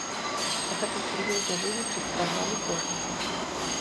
Я хачу сур'ёзна вывучыць праграму кожнага.